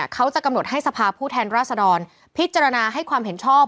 เขาจะกำหนดให้สภาผู้แทนราษดรพิจารณาให้ความเห็นชอบ